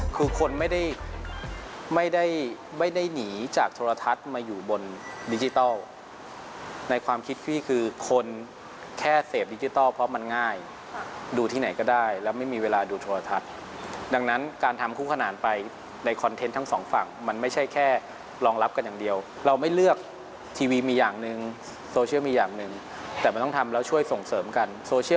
คือคนไม่ได้ไม่ได้หนีจากโทรทัศน์มาอยู่บนดิจิทัลในความคิดพี่คือคนแค่เสพดิจิทัลเพราะมันง่ายดูที่ไหนก็ได้แล้วไม่มีเวลาดูโทรทัศน์ดังนั้นการทำคู่ขนาดไปในคอนเทนต์ทั้งสองฝั่งมันไม่ใช่แค่รองรับกันอย่างเดียวเราไม่เลือกทีวีมีอย่างหนึ่งโซเชียลมีอย่างหนึ่งแต่มันต้องทำแล้วช่วยส่งเสริมกันโซเชียล